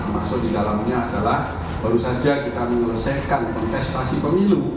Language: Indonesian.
maksudnya adalah baru saja kita melesekkan kontestasi pemilu